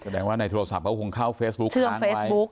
แสดงว่าในโทรศัพท์เขาคงเข้าเฟซบุ๊กค้างไว้